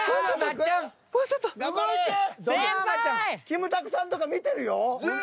キムタクさんとか見てるよ。